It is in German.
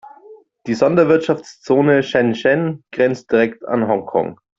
Die Sonderwirtschaftszone Shenzhen grenzt direkt an Hongkong.